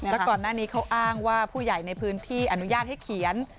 แล้วก่อนหน้านี้เขาอ้างว่าผู้ใหญ่ในพื้นที่อนุญาตให้เขียน